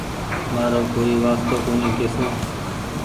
مآرو ڪوئي وآستو ڪونيٚ ڪسون